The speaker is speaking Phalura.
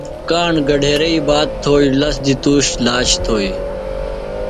کاݨ گھڈیرئی بات تھوئیۡ، لس دی تُوش لاج تھوئیۡ